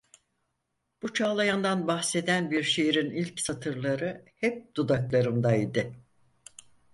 Bu çağlayandan bahseden bir şiirin ilk satırları hep dudaklarımda idi…